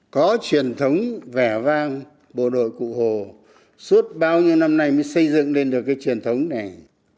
có truyền thống vẻ vang bộ đội cụ hồ suốt bao nhiêu năm nay mới xây dựng lên được cái truyền thống này